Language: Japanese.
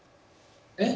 えっ？